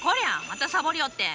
またサボりおって！